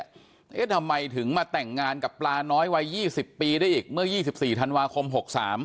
นี่ก็ทำไมถึงมาแต่งงานกับปลาน้อยวัยยี่สิบปีได้อีกเมื่อยี่สิบสี่ธันวาคมหกสาม